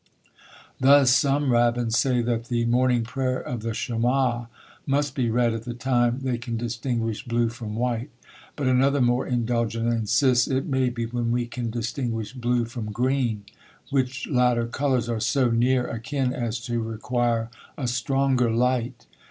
Thus some rabbins say that the morning prayer of the Shemáh must be read at the time they can distinguish blue from white; but another, more indulgent, insists it may be when we can distinguish blue from green! which latter colours are so near akin as to require a stronger light.